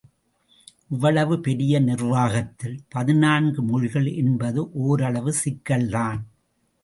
இவ்வளவு பெரிய நிர்வாகத்தில் பதினான்கு மொழிகள் என்பது ஓரளவு சிக்கல் தான்!